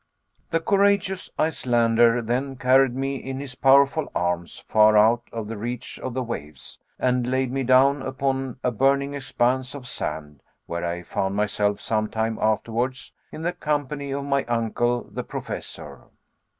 The courageous Icelander then carried me in his powerful arms, far out of the reach of the waves, and laid me down upon a burning expanse of sand, where I found myself some time afterwards in the company of my uncle, the Professor.